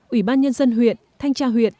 ủy ban nhân dân huyện thanh tra huyện